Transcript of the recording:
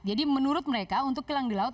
jadi menurut mereka untuk kilang di laut